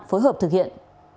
phối hợp thực hiện